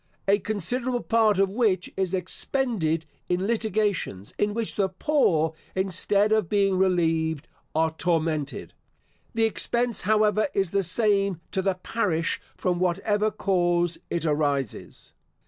A considerable part of which is expended in litigations, in which the poor, instead of being relieved, are tormented. The expense, however, is the same to the parish from whatever cause it arises.